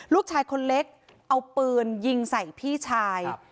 ลูกชายคนเล็กเอาปืนยิงใส่พี่ชาย